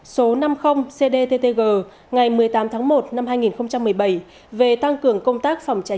số năm mươi cdttg ngày một mươi tám tháng một năm hai nghìn một mươi bảy